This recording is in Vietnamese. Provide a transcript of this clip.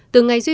từ ngày duy